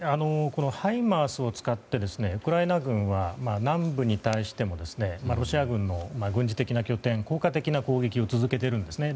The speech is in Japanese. ハイマースを使ってウクライナ軍は南部に対してもロシア軍の軍事的な拠点に効果的な攻撃を続けているんですね。